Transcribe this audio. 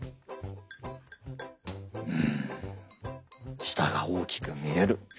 うん下が大きく見える。